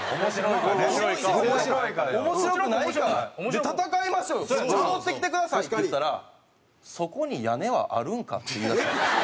で戦いましょう戻ってきてくださいって言ったらそこに屋根はあるんか？って言いだしたんですよ。